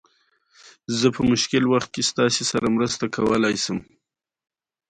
کاناډا د مشرانو اداره لري.